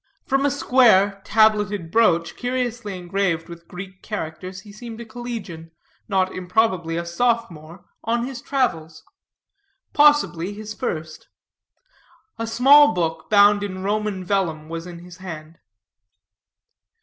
From a square, tableted broach, curiously engraved with Greek characters, he seemed a collegian not improbably, a sophomore on his travels; possibly, his first. A small book bound in Roman vellum was in his hand.